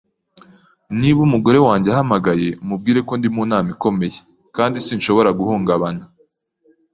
Niba umugore wanjye ahamagaye, umubwire ko ndi mu nama ikomeye kandi sinshobora guhungabana.